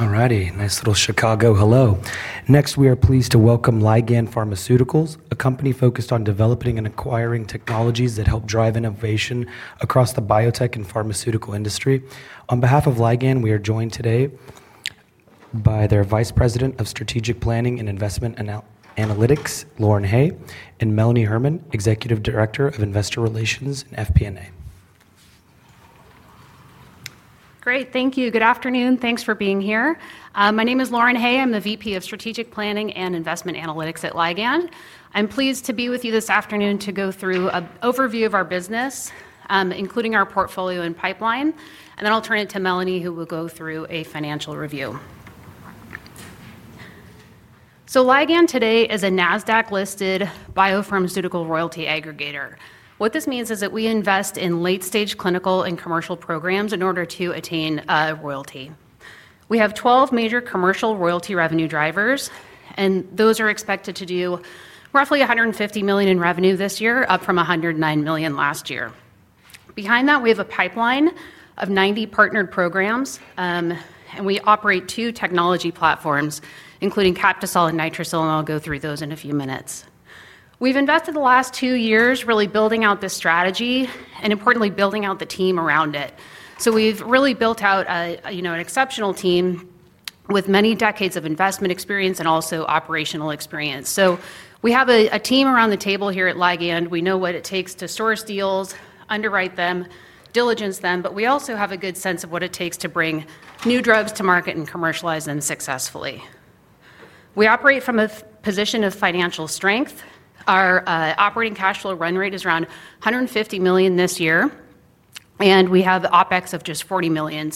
I'm ready. Nice little Chicago. Hello. Next, we are pleased to welcome Ligand Pharmaceuticals, a company focused on developing and acquiring technologies that help drive innovation across the biotech and pharmaceutical industry. On behalf of Ligand, we are joined today by their Vice President of Strategic Planning and Investment Analytics, Lauren Hay, and Melanie Herman, Executive Director of Investor Relations and FP&A. Great. Thank you. Good afternoon. Thanks for being here. My name is Lauren Hay. I'm the VP of Strategic Planning and Investment Analytics at Ligand. I'm pleased to be with you this afternoon to go through an overview of our business, including our portfolio and pipeline. Then I'll turn it to Melanie, who will go through a financial review. Ligand today is a Nasdaq-listed biopharmaceutical royalty aggregator. What this means is that we invest in late-stage clinical and commercial programs in order to attain royalty. We have 12 major commercial royalty revenue drivers, and those are expected to do roughly $150 million in revenue this year, up from $109 million last year. Behind that, we have a pipeline of 90 partnered programs, and we operate two technology platforms, including Captisol and NITRICIL. I'll go through those in a few minutes. We've invested the last two years really building out this strategy and, importantly, building out the team around it. We've really built out an exceptional team with many decades of investment experience and also operational experience. We have a team around the table here at Ligand. We know what it takes to source deals, underwrite them, and diligence them. We also have a good sense of what it takes to bring new drugs to market and commercialize them successfully. We operate from a position of financial strength. Our operating cash flow run rate is around $150 million this year, and we have OpEx of just $40 million.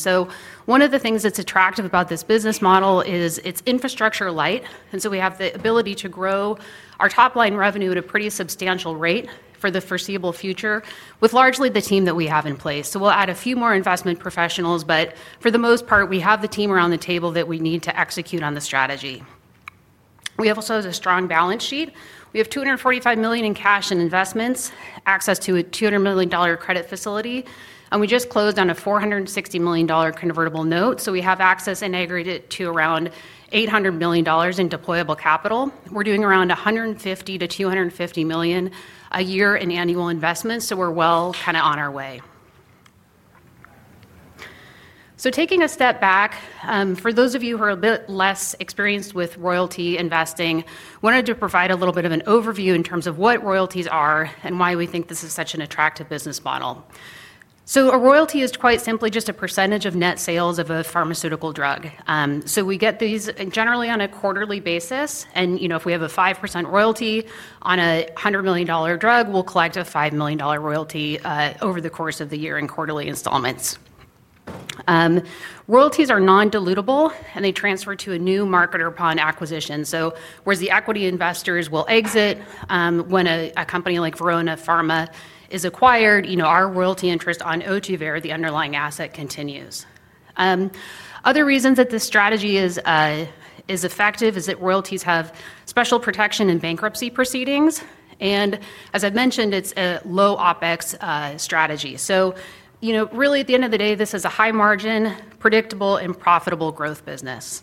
One of the things that's attractive about this business model is it's infrastructure light. We have the ability to grow our top-line revenue at a pretty substantial rate for the foreseeable future, with largely the team that we have in place. We'll add a few more investment professionals, but for the most part, we have the team around the table that we need to execute on the strategy. We also have a strong balance sheet. We have $245 million in cash and investments, access to a $200 million credit facility, and we just closed on a $460 million convertible note. We have access integrated to around $800 million in deployable capital. We're doing around $150 million-$250 million a year in annual investments. We're well kind of on our way. Taking a step back, for those of you who are a bit less experienced with royalty investing, I wanted to provide a little bit of an overview in terms of what royalties are and why we think this is such an attractive business model. A royalty is quite simply just a percentage of net sales of a pharmaceutical drug. We get these generally on a quarterly basis. If we have a 5% royalty on a $100 million drug, we'll collect a $5 million royalty over the course of the year in quarterly installments. Royalties are non-dilutable, and they transfer to a new market upon acquisition. Whereas the equity investors will exit when a company like Verona Pharma is acquired, our royalty interest on Ohtuvayre, the underlying asset, continues. Other reasons that this strategy is effective are that royalties have special protection in bankruptcy proceedings. As I mentioned, it's a low OpEx strategy. At the end of the day, this is a high-margin, predictable, and profitable growth business.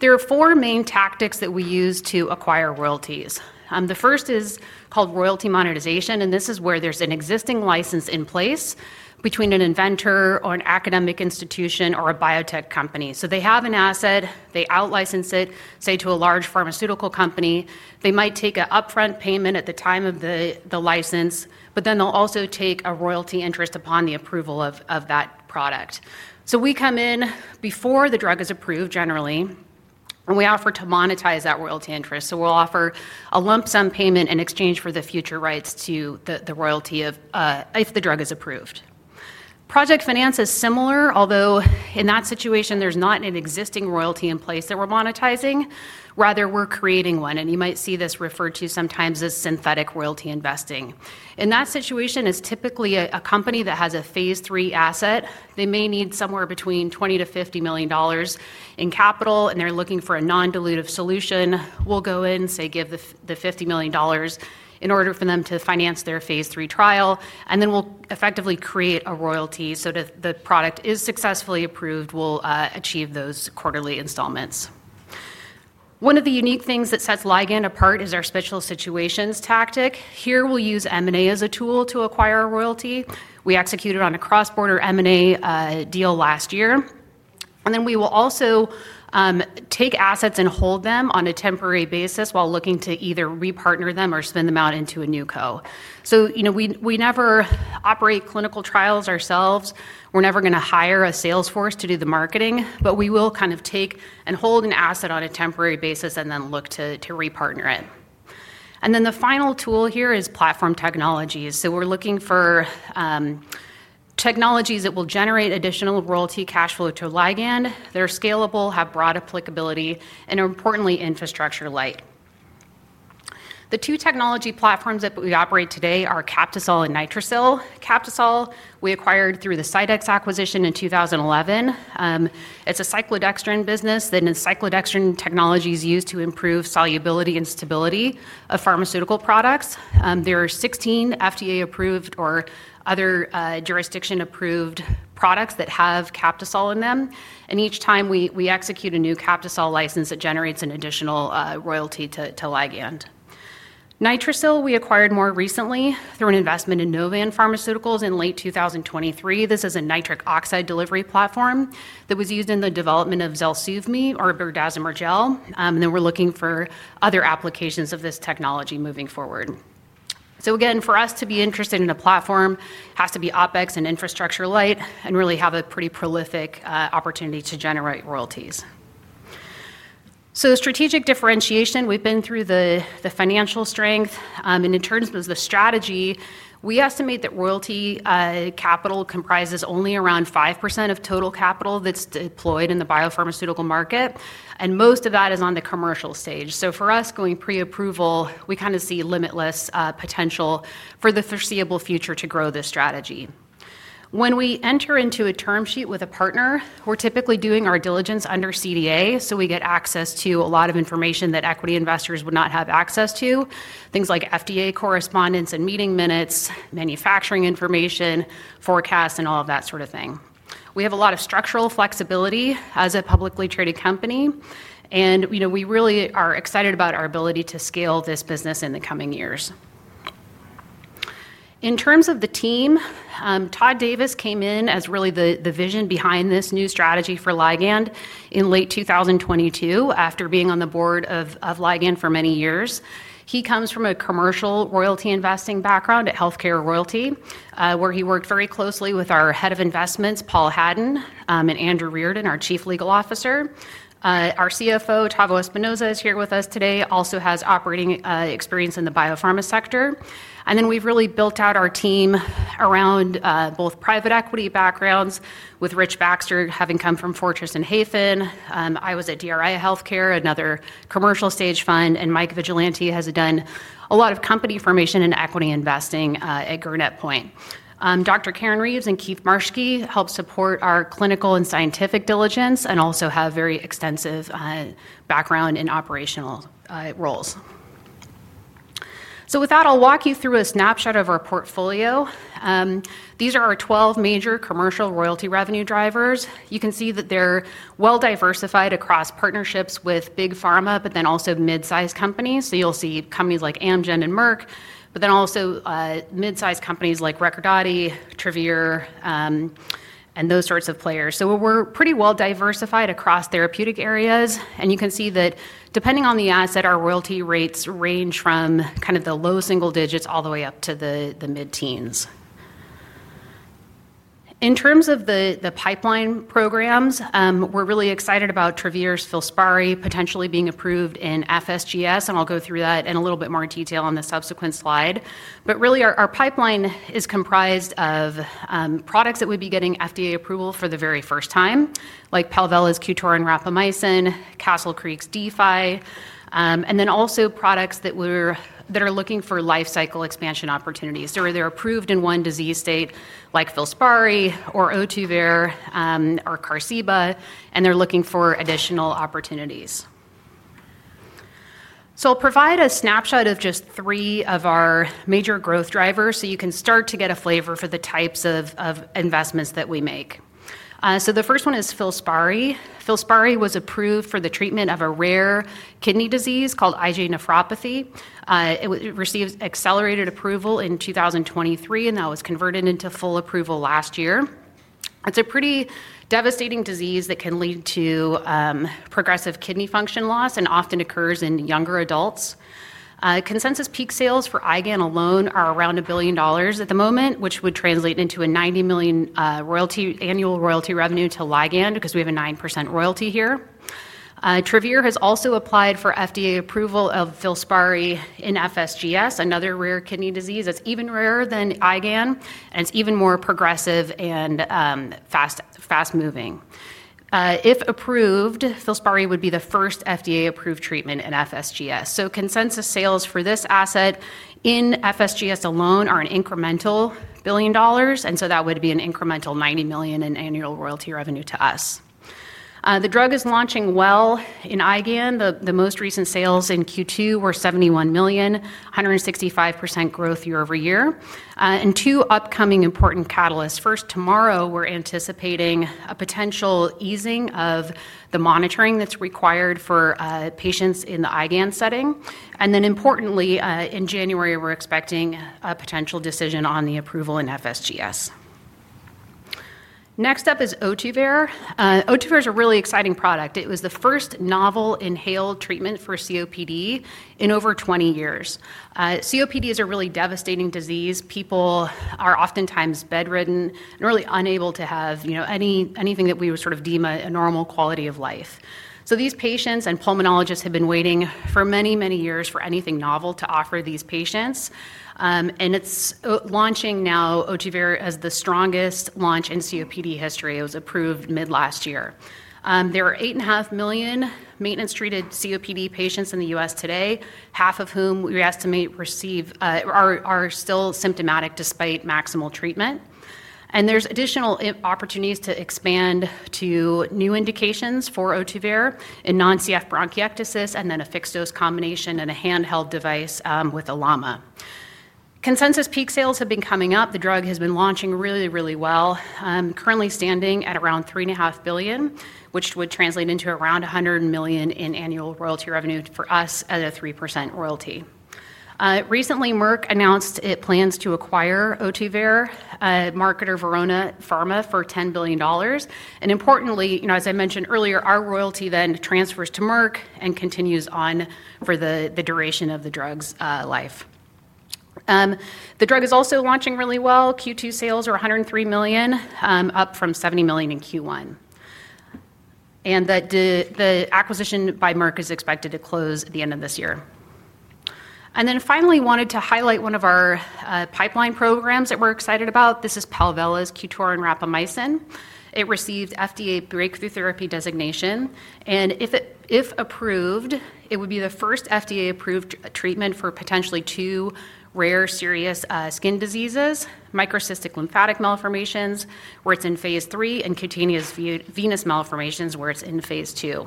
There are four main tactics that we use to acquire royalties. The first is called royalty monetization. This is where there's an existing license in place between an inventor or an academic institution or a biotech company. They have an asset. They out-license it, say, to a large pharmaceutical company. They might take an upfront payment at the time of the license, but then they'll also take a royalty interest upon the approval of that product. We come in before the drug is approved, generally, and we offer to monetize that royalty interest. We'll offer a lump sum payment in exchange for the future rights to the royalty if the drug is approved. Project finance is similar, although in that situation, there's not an existing royalty in place that we're monetizing. Rather, we're creating one. You might see this referred to sometimes as synthetic royalty investing. In that situation, it's typically a company that has a phase III asset. They may need somewhere between $20 million-$50 million in capital, and they're looking for a non-dilutive solution. We'll go in, say, give the $50 million in order for them to finance their phase III trial. Then we'll effectively create a royalty. If the product is successfully approved, we'll achieve those quarterly installments. One of the unique things that sets Ligand apart is our special situations tactic. Here, we'll use M&A as a tool to acquire a royalty. We executed on a cross-border M&A deal last year. We will also take assets and hold them on a temporary basis while looking to either repartner them or spin them out into a new co. We never operate clinical trials ourselves. We're never going to hire a sales force to do the marketing. We will kind of take and hold an asset on a temporary basis and then look to repartner it. The final tool here is platform technologies. We're looking for technologies that will generate additional royalty cash flow to Ligand. They're scalable, have broad applicability, and are importantly infrastructure light. The two technology platforms that we operate today are Captisol and NITRICIL. Captisol, we acquired through the CyDex acquisition in 2011. It's a cyclodextrin business, and it's cyclodextrin technologies used to improve solubility and stability of pharmaceutical products. There are 16 FDA-approved or other jurisdiction-approved products that have Captisol in them. Each time we execute a new Captisol license, it generates an additional royalty to Ligand. NITRICIL, we acquired more recently through an investment in Novan Pharmaceuticals in late 2023. This is a nitric oxide delivery platform that was used in the development of ZELSUVMI or berdazimer gel. We're looking for other applications of this technology moving forward. For us to be interested in a platform, it has to be OpEx and infrastructure light and really have a pretty prolific opportunity to generate royalties. Strategic differentiation, we've been through the financial strength. In terms of the strategy, we estimate that royalty capital comprises only around 5% of total capital that's deployed in the biopharmaceutical market, and most of that is on the commercial stage. For us going pre-approval, we kind of see limitless potential for the foreseeable future to grow this strategy. When we enter into a term sheet with a partner, we're typically doing our diligence under CDA. We get access to a lot of information that equity investors would not have access to, things like FDA correspondence and meeting minutes, manufacturing information, forecasts, and all of that sort of thing. We have a lot of structural flexibility as a publicly traded company, and we really are excited about our ability to scale this business in the coming years. In terms of the team, Todd Davis came in as really the vision behind this new strategy for Ligand in late 2022 after being on the board of Ligand for many years. He comes from a commercial royalty investing background at Healthcare Royalty, where he worked very closely with our Head of Investments, Paul Hadden, and Andrew Reardon, our Chief Legal Officer. Our CFO, Tavo Espinoza, is here with us today, also has operating experience in the biopharma sector. We've really built out our team around both private equity backgrounds, with Rich Baxter having come from Fortress and Hayfin. I was at DRI Healthcare, another commercial stage fund. Mike Vigilante has done a lot of company formation and equity investing at Gurnet Point. Dr. Karen Reeves and Keith Marschke help support our clinical and scientific diligence and also have a very extensive background in operational roles. With that, I'll walk you through a snapshot of our portfolio. These are our 12 major commercial royalty revenue drivers. You can see that they're well diversified across partnerships with big pharma, but also mid-sized companies. You'll see companies like Amgen and Merck, but also mid-sized companies like Recordati, Travere, and those sorts of players. We're pretty well diversified across therapeutic areas. You can see that depending on the asset, our royalty rates range from kind of the low single digits all the way up to the mid-teens. In terms of the pipeline programs, we're really excited about Travere's FILSPARI potentially being approved in FSGS. I'll go through that in a little bit more detail on the subsequent slide. Our pipeline is comprised of products that would be getting FDA approval for the very first time, like Palvella's QTORIN rapamycin, Castle Creek's D-Fi, and also products that are looking for lifecycle expansion opportunities. They're approved in one disease state like FILSPARI or Ohtuvayre or Qarziba, and they're looking for additional opportunities. I'll provide a snapshot of just three of our major growth drivers so you can start to get a flavor for the types of investments that we make. The first one is FILSPARI. FILSPARI was approved for the treatment of a rare kidney disease called IgA nephropathy. It received accelerated approval in 2023, and that was converted into full approval last year. It's a pretty devastating disease that can lead to progressive kidney function loss and often occurs in younger adults. Consensus peak sales for Ligand alone are around $1 billion at the moment, which would translate into a $90 million annual royalty revenue to Ligand because we have a 9% royalty here. Travere has also applied for FDA approval of FILSPARI in FSGS, another rare kidney disease that's even rarer than IgAN and is even more progressive and fast-moving. If approved, FILSPARI would be the first FDA-approved treatment in FSGS. Consensus sales for this asset in FSGS alone are an incremental $1 billion, and that would be an incremental $90 million in annual royalty revenue to us. The drug is launching well in IgAN. The most recent sales in Q2 were $71 million, 165% growth year-over-year. there are two upcoming important catalysts. First, tomorrow we're anticipating a potential easing of the monitoring that's required for patients in the IgAN setting. Importantly, in January, we're expecting a potential decision on the approval in FSGS. Next up is Ohtuvayre. Ohtuvayre is a really exciting product. It was the first novel inhaled treatment for COPD in over 20 years. COPD is a really devastating disease. People are oftentimes bedridden and really unable to have anything that we would sort of deem a normal quality of life. These patients and pulmonologists have been waiting for many, many years for anything novel to offer these patients. It's launching now. Ohtuvayre has the strongest launch in COPD history. It was approved mid-last year. There are 8.5 million maintenance-treated COPD patients in the U.S. today, half of whom we estimate are still symptomatic despite maximal treatment. There are additional opportunities to expand to new indications for Ohtuvayre in non-CF bronchiectasis and then a fixed-dose combination and a handheld device with a LAMA. Consensus peak sales have been coming up. The drug has been launching really, really well, currently standing at around $3.5 billion, which would translate into around $100 million in annual royalty revenue for us at a 3% royalty. Recently, Merck announced it plans to acquire Ohtuvayre, a marketer of Verona Pharma, for $10 billion. Importantly, as I mentioned earlier, our royalty then transfers to Merck and continues on for the duration of the drug's life. The drug is also launching really well. Q2 sales are $103 million, up from $70 million in Q1. The acquisition by Merck is expected to close at the end of this year. Finally, I wanted to highlight one of our pipeline programs that we're excited about. This is Palvella's QTORIN rapamycin. It received FDA breakthrough therapy designation. If approved, it would be the first FDA-approved treatment for potentially two rare serious skin diseases: microcystic lymphatic malformations, where it's in phase III, and cutaneous venous malformations, where it's in phase II.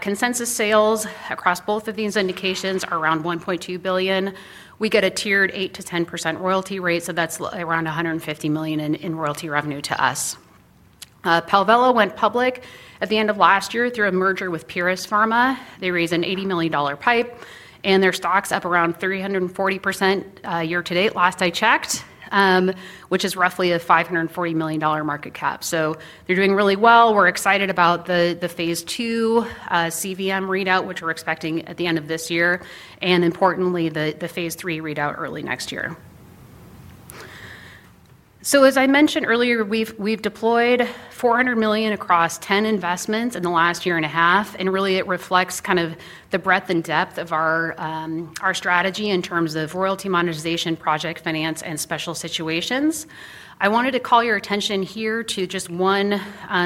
Consensus sales across both of these indications are around $1.2 billion. We get a tiered 8% to 10% royalty rate, so that's around $150 million in royalty revenue to us. Palvella went public at the end of last year through a merger with Pieris Pharma. They raised an $80 million PIPE, and their stock's up around 340% year to date, last I checked, which is roughly a $540 million market cap. They're doing really well. We're excited about the phase II CVM readout, which we're expecting at the end of this year, and, importantly, the phase III readout early next year. As I mentioned earlier, we've deployed $400 million across 10 investments in the last year and a half. It really reflects the breadth and depth of our strategy in terms of royalty monetization, project finance, and special situations. I wanted to call your attention here to just one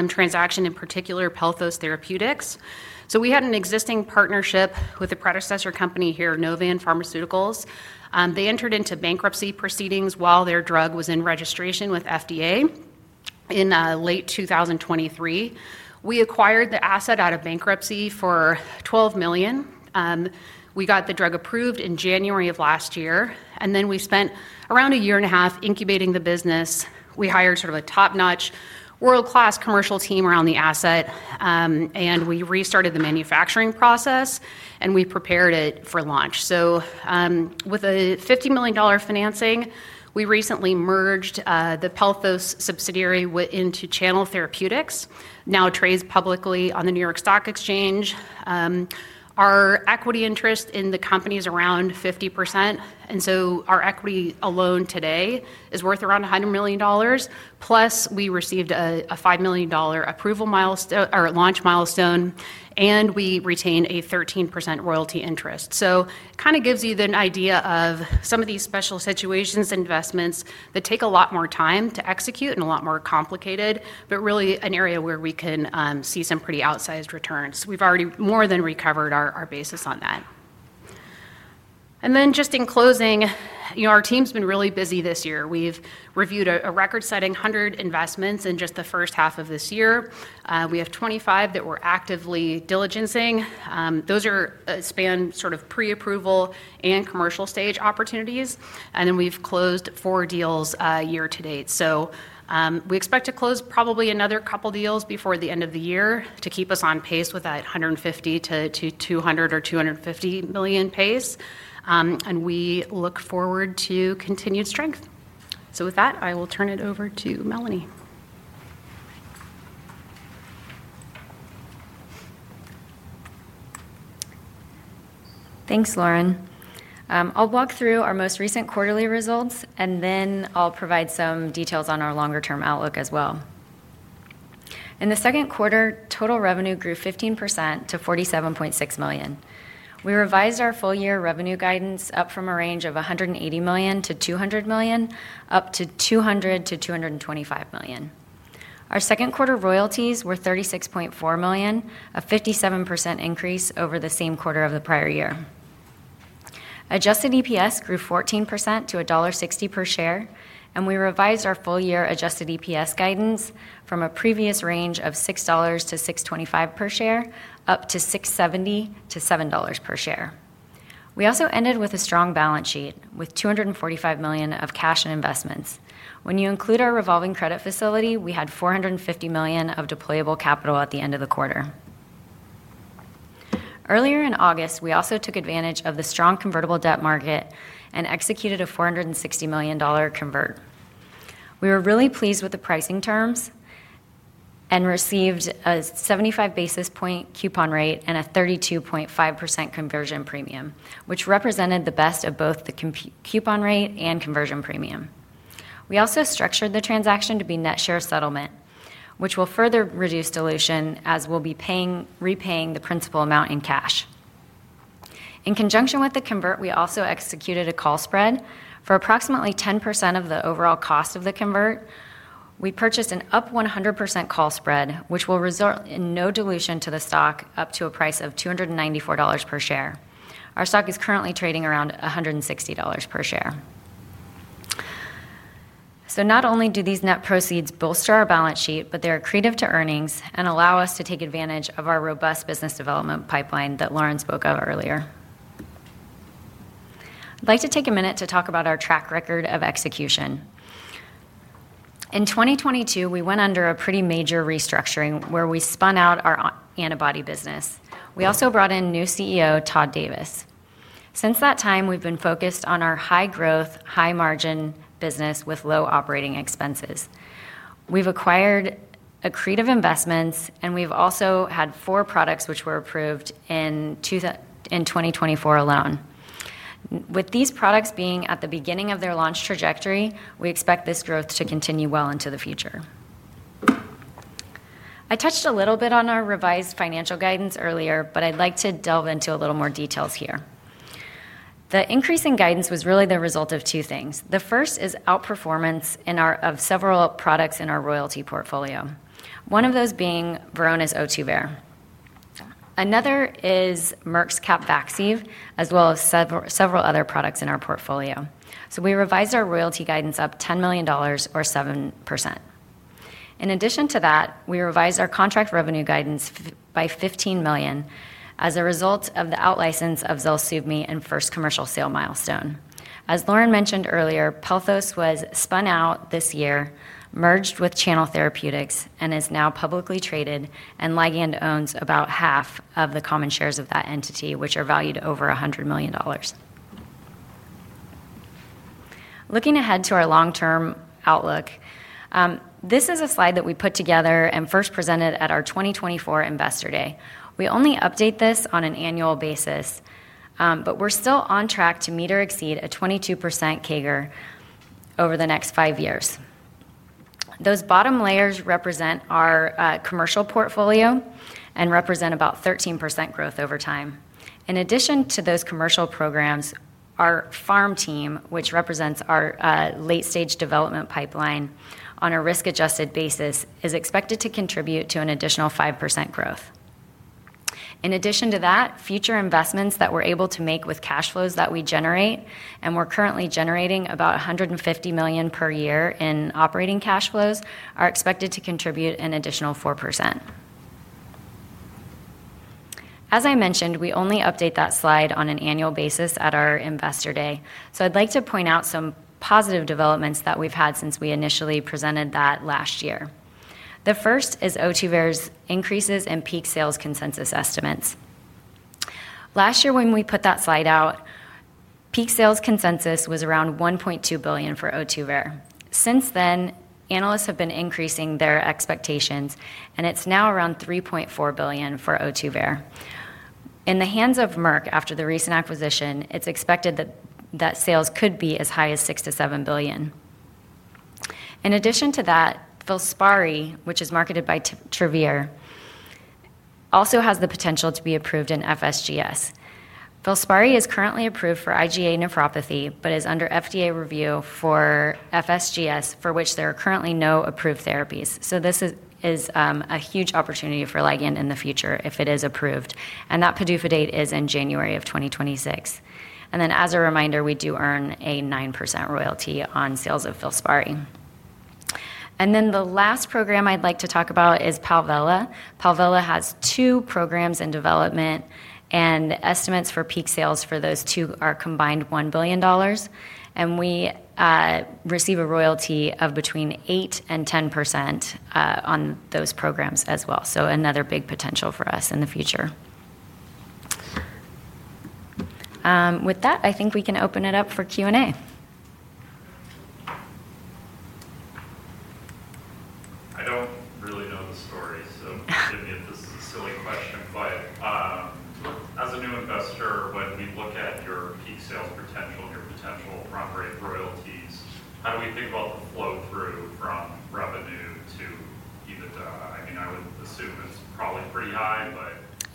transaction in particular, Pelthos Therapeutics. We had an existing partnership with a predecessor company here, Novan Pharmaceuticals. They entered into bankruptcy proceedings while their drug was in registration with the FDA in late 2023. We acquired the asset out of bankruptcy for $12 million. We got the drug approved in January of last year, and then we spent around a year and a half incubating the business. We hired a top-notch, world-class commercial team around the asset, restarted the manufacturing process, and prepared it for launch. With a $50 million financing, we recently merged the Pelthos subsidiary into Channel Therapeutics, which now trades publicly on the New York Stock Exchange. Our equity interest in the company is around 50%, so our equity alone today is worth around $100 million. Plus, we received a $5 million launch milestone, and we retain a 13% royalty interest. It gives you an idea of some of these special situations investments that take a lot more time to execute and are a lot more complicated, but really an area where we can see some pretty outsized returns. We've already more than recovered our basis on that. In closing, our team's been really busy this year. We've reviewed a record-setting 100 investments in just the first half of this year. We have 25 that we're actively diligencing. Those span sort of pre-approval and commercial stage opportunities. We've closed four deals year to date. We expect to close probably another couple of deals before the end of the year to keep us on pace with that $150 million-$200 million or $250 million pace. We look forward to continued strength. With that, I will turn it over to Melanie. Thanks, Lauren. I'll walk through our most recent quarterly results and then I'll provide some details on our longer-term outlook as well. In the second quarter, total revenue grew 15% to $47.6 million. We revised our full-year revenue guidance up from a range of $180 million-$200 million, up to $200 million-$225 million. Our second quarter royalties were $36.4 million, a 57% increase over the same quarter of the prior year. Adjusted EPS grew 14% to $1.60 per share. We revised our full-year adjusted EPS guidance from a previous range of $6-$6.25 per share up to $6.70-$7 per share. We also ended with a strong balance sheet with $245 million of cash and investments. When you include our revolving credit facility, we had $450 million of deployable capital at the end of the quarter. Earlier in August, we also took advantage of the strong convertible debt market and executed a $460 million convert. We were really pleased with the pricing terms and received a 75-basis point coupon rate and a 32.5% conversion premium, which represented the best of both the coupon rate and conversion premium. We also structured the transaction to be net share settlement, which will further reduce dilution as we'll be repaying the principal amount in cash. In conjunction with the convert, we also executed a call spread for approximately 10% of the overall cost of the convert. We purchased an up 100% call spread, which will result in no dilution to the stock up to a price of $294 per share. Our stock is currently trading around $160 per share. Not only do these net proceeds bolster our balance sheet, but they are accretive to earnings and allow us to take advantage of our robust business development pipeline that Lauren spoke of earlier. I'd like to take a minute to talk about our track record of execution. In 2022, we went under a pretty major restructuring where we spun out our antibody business. We also brought in new CEO, Todd Davis. Since that time, we've been focused on our high-growth, high-margin business with low operating expenses. We've acquired accretive investments, and we've also had four products which were approved in 2024 alone. With these products being at the beginning of their launch trajectory, we expect this growth to continue well into the future. I touched a little bit on our revised financial guidance earlier, but I'd like to delve into a little more details here. The increase in guidance was really the result of two things. The first is outperformance of several products in our royalty portfolio, one of those being Verona's Ohtuvayre. Another is Merck's Capvaxive, as well as several other products in our portfolio. We revised our royalty guidance up $10 million or 7%. In addition to that, we revised our contract revenue guidance by $15 million as a result of the out-license of ZELSUVMI and first commercial sale milestone. As Lauren mentioned earlier, Pelthos was spun out this year, merged with Channel Therapeutics, and is now publicly traded. Ligand owns about half of the common shares of that entity, which are valued over $100 million. Looking ahead to our long-term outlook, this is a slide that we put together and first presented at our 2024 Investor Day. We only update this on an annual basis, but we're still on track to meet or exceed a 22% CAGR over the next five years. Those bottom layers represent our commercial portfolio and represent about 13% growth over time. In addition to those commercial programs, our pharm team, which represents our late-stage development pipeline on a risk-adjusted basis, is expected to contribute to an additional 5% growth. In addition to that, future investments that we're able to make with cash flows that we generate, and we're currently generating about $150 million per year in operating cash flows, are expected to contribute an additional 4%. As I mentioned, we only update that slide on an annual basis at our Investor Day. I'd like to point out some positive developments that we've had since we initially presented that last year. The first is Ohtuvayre's increases in peak sales consensus estimates. Last year, when we put that slide out, peak sales consensus was around $1.2 billion for Ohtuvayre. Since then, analysts have been increasing their expectations, and it's now around $3.4 billion for Ohtuvayre. In the hands of Merck after the recent acquisition, it's expected that sales could be as high as $6 billion-$7 billion. In addition to that, FILSPARI, which is marketed by Travere, also has the potential to be approved in FSGS. FILSPARI is currently approved for IgA nephropathy, but is under FDA review for FSGS, for which there are currently no approved therapies. This is a huge opportunity for Ligand in the future if it is approved. That PDUFA date is in January of 2026. As a reminder, we do earn a 9% royalty on sales of FILSPARI. The last program I'd like to talk about is Palvella. Palvella has two programs in development, and estimates for peak sales for those two are a combined $1 billion. We receive a royalty of between 8% and 10% on those programs as well. Another big potential for us in the future. With that, I think we can open it up for Q&A. I don't really know the story. I'm just going to emphasize to question five. As a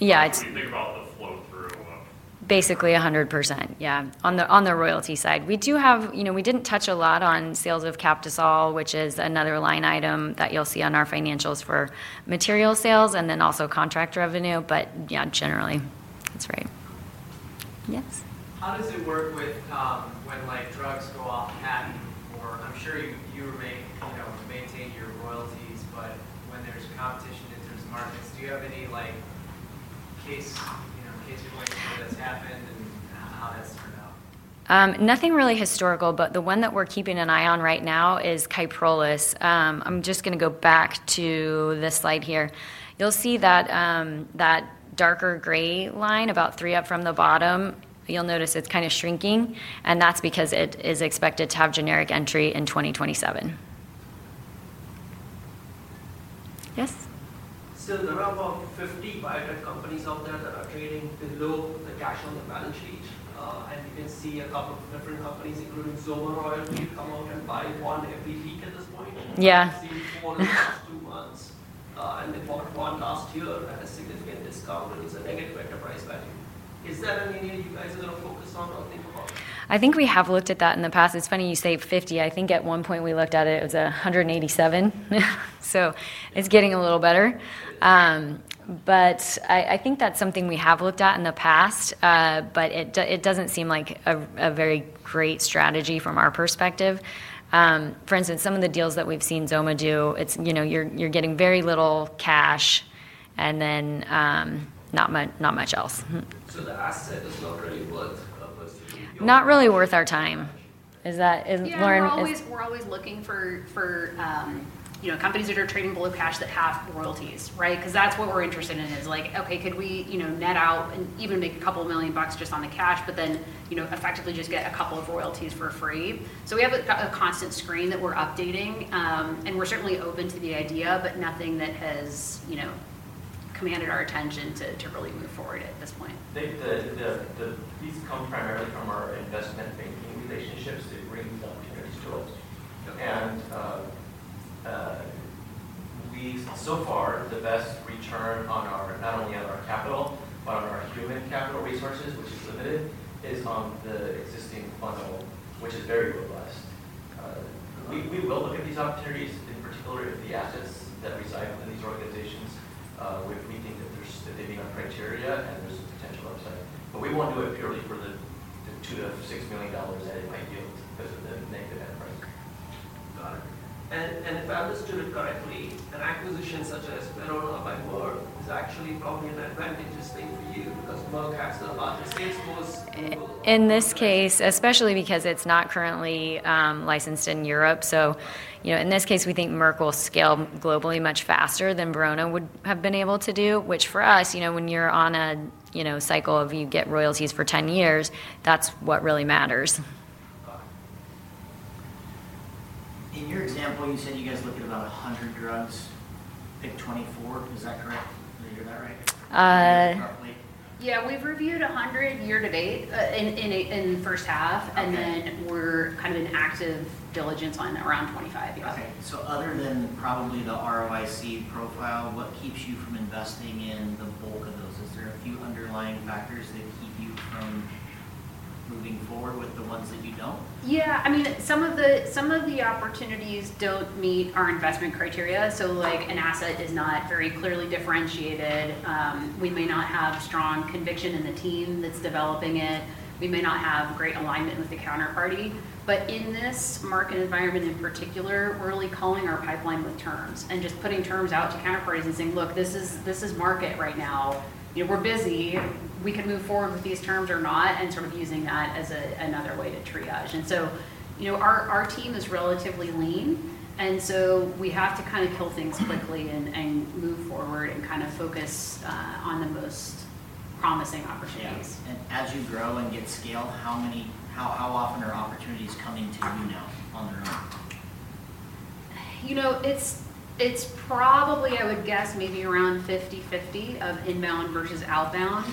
new investor, when we look at your peak sales per tenth or per tenth whole prong rate of royalties, how do we think about the flow through from revenue to EBITDA? Yeah, it's basically 100%, yeah, on the royalty side. We do have, you know, we didn't touch a lot on sales of Captisol, which is another line item that you'll see on our financials for material sales and then also contract revenue. Yeah, generally, that's right. Yes? How does it work when drugs go off patent? I'm sure you maintain your royalties. When there's competition in those markets, do you have any case studies where that's happened? Nothing really historical. The one that we're keeping an eye on right now is KYPROLIS. I'm just going to go back to this slide here. You'll see that darker gray line about three up from the bottom. You'll notice it's kind of shrinking, and that's because it is expected to have generic entry in 2027. Yes? There are about 15 biotech companies out there that are trading below the cash on the balance sheet. You can see a couple of different companies, including [SilverOil], are buying one every week for the past two months. They bought one last year at a significant discount. I think we have looked at that in the past. It's funny you say 50. I think at one point we looked at it. It was 187. It's getting a little better. I think that's something we have looked at in the past. It doesn't seem like a very great strategy from our perspective. For instance, some of the deals that we've seen XOMA do, you're getting very little cash and then not much else. Not really worth our time. Is that, Lauren? Yeah, we're always looking for companies that are trading below cash that have royalties, right? That's what we're interested in, like, OK, could we net out and even make a couple of million bucks just on the cash, but then effectively just get a couple of royalties for free? We have a constant screen that we're updating. We're certainly open to the idea, but nothing that has commanded our attention to really move forward at this point. I think that these come primarily from our investment banking relationships to bring down those stocks. We saw so far the best return on not only our capital, but our human capital resources, which is limited, is on the existing funnel, which is very robust. We will look at these opportunities to think for exploring the assets that reside in these organizations. If we think that they meet our criteria and there's a potential upside, we won't do it purely for the $2 million-$6 million that it might give because of the negative outlook. For others to guide me, an acquisition such as [Venera or Alphago] is actually going to be like beneficial for you because Merck has about a sales force. In this case, especially because it's not currently licensed in Europe. In this case, we think Merck will scale globally much faster than Verona would have been able to do, which for us, you know, when you're on a cycle of you get royalties for 10 years, that's what really matters. In your example, you said you guys looked at about 100 drugs, like 24. Is that correct? Yeah, we've reviewed 100 year to date in the first half, and then we're kind of in active diligence on around 25, about. Other than probably the ROIC profile, what keeps you from investing in the bulk of those? Is there a few underlying factors that keep you from moving forward with the ones that you don't? Yeah, I mean, some of the opportunities don't meet our investment criteria. So like an asset is not very clearly differentiated. We may not have strong conviction in the team that's developing it. We may not have great alignment with the counterparty. In this market environment in particular, we're really calling our pipeline with terms and just putting terms out to counterparties and saying, look, this is market right now. You know, we're busy. We can move forward with these terms or not, and sort of using that as another way to triage. Our team is relatively lean, so we have to kind of kill things quickly and move forward and kind of focus on the most promising opportunities. As you grow and get scale, how often are opportunities coming to you now on their own? It's probably, I would guess, maybe around 50/50 of inbound versus outbound.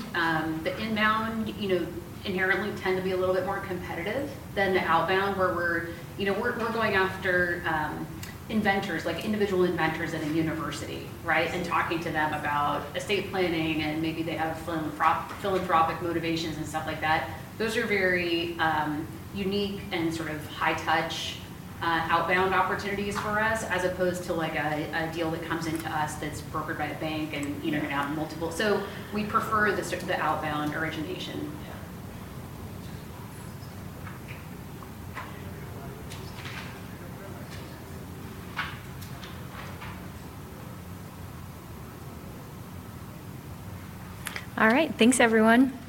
The inbound, you know, inherently tend to be a little bit more competitive than the outbound where we're going after inventors, like individual inventors at a university, right, and talking to them about estate planning. Maybe they have philanthropic motivations and stuff like that. Those are very unique and sort of high-touch outbound opportunities for us, as opposed to a deal that comes into us that's brokered by a bank and you know going to have multiple. We prefer the outbound origination. All right. Thanks, everyone.